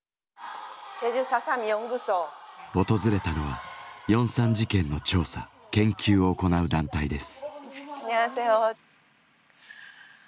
訪れたのは４・３事件の調査研究を行う団体です。